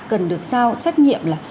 cần được sao trách nhiệm là